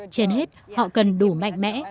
trên hết họ cần đủ mạnh mẽ